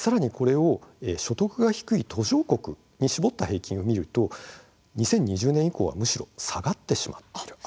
所得の低い途上国に絞った平均を見ると２０２０年以降はむしろ下がってしまっています。